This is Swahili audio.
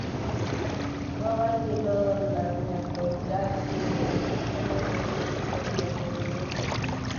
bwawa hilo la nyabogati linapatikana ndani ya hifadhi ya serengeti